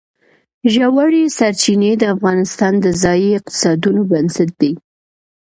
ژورې سرچینې د افغانستان د ځایي اقتصادونو بنسټ دی.